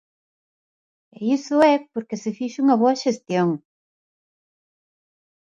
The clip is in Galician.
E iso é porque se fixo unha boa xestión.